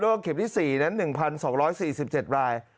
แล้วก็เข็มที่๔นั้น๑๒๔๗ลาย